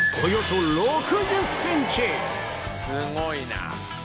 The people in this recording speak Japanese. すごいな！